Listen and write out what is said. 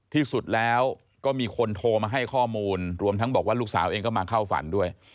ที่สุดแล้วก็มีคนโทรมาให้ข้อมูลรวมทั้งบอกว่าลูกสาวเองก็มาเข้าฝันด้วย